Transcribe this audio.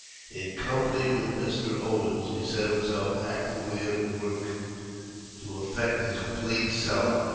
In company with Mr. Owens, he set himself actively at work to effect a complete sell out.